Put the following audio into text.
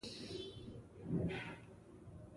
ډاکټر وویل: سمه ده، زه به ډاکټر والنتیني را وغواړم.